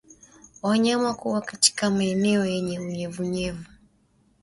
Wanyama kuwa katika maeneo yenye unyevunyevu